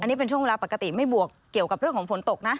อันนี้เป็นช่วงเวลาปกติไม่บวกเกี่ยวกับเรื่องของฝนตกนะ